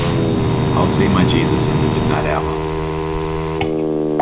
I'll see my Jesus in the midnight hour.